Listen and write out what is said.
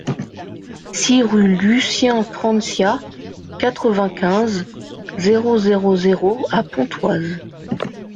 six rue Lucien Francia, quatre-vingt-quinze, zéro zéro zéro à Pontoise